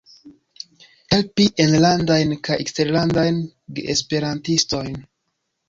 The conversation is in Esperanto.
Helpi enlandajn kaj eksterlandajn geesperantistojn.